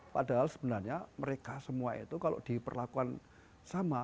padahal sebenarnya mereka semua itu kalau diperlakukan sama